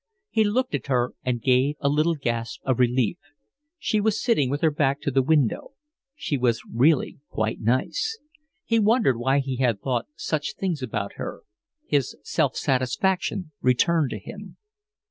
He looked at her and gave a little gasp of relief. She was sitting with her back to the window. She was really quite nice. He wondered why he had thought such things about her. His self satisfaction returned to him.